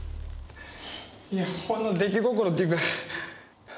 いやほんの出来心っていうか。